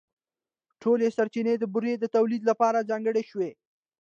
ټولې سرچینې د بورې د تولیدً لپاره ځانګړې شوې.